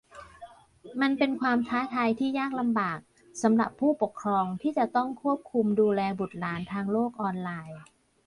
มันเป็นความท้าทายที่ยากลำบากสำหรับผู้ปกครองที่จะต้องควบคุมดูแลบุตรหลานทางโลกออนไลน์